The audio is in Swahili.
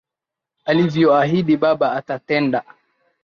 Alivyoahidi baba atatenda.